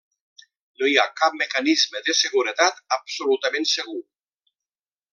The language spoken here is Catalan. No hi ha cap mecanisme de seguretat absolutament segur.